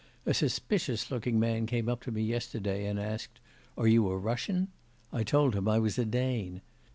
A suspicious looking man came up to me yesterday and asked: "Are you a Russian?" I told him I was a Dane.